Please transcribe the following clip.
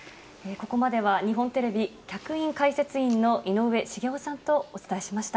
ここまでは、日本テレビ客員解説員の井上茂男さんとお伝えしました。